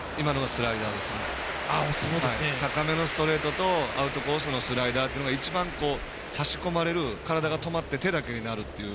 高めのストレートとアウトコースのスライダーは差し込まれる体が止まって手だけになるという。